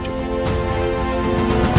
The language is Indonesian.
jangan kamu berpikir pikir